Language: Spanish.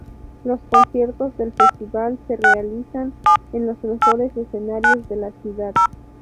Los conciertos del festival se realizan en los mejores escenarios de la ciudad.